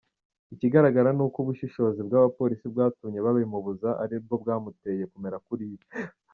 Ikigaragara ni uko ubushishozi bw’abapolisi bwatumye babimubuza ari bwo bwamuteye kumera kuriya.